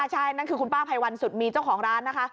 ใช่นั่นคือคุณป้าภัยวันสุดมีเจ้าของร้านนะคะ